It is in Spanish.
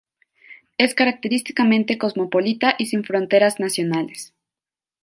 Es característicamente cosmopolita y sin fronteras nacionales.